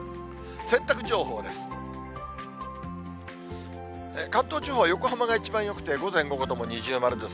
洗濯情報です。